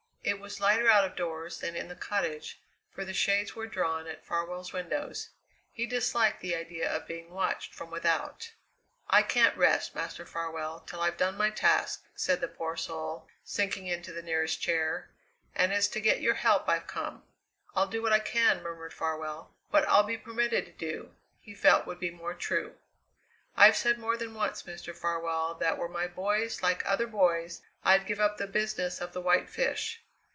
It was lighter out of doors than in the cottage, for the shades were drawn at Farwell's windows; he disliked the idea of being watched from without. "I can't rest, Master Farwell, till I've done my task," said the poor soul, sinking into the nearest chair. "And it's to get your help I've come." "I'll do what I can," murmured Farwell. "What I'll be permitted to do," he felt would be more true. "I've said more than once, Mr. Farwell, that were my boys like other boys I'd give up the business of the White Fish.